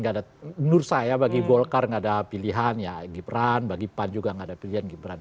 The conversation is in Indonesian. gak ada menurut saya bagi golkar gak ada pilihan ya gibran bagi pan juga nggak ada pilihan gibran